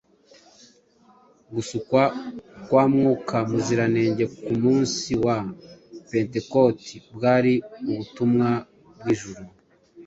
Gusukwa kwa Mwuka Muziranenge ku munsi wa Pentekote bwari ubutumwa bw’ijuru